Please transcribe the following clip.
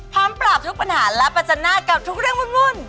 พร้อมปรอบทุกปัญหาและปัจจันทร์กับทุกเรื่องวุ่น